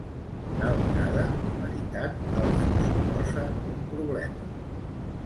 Tal vegada la veritat els suposa un problema.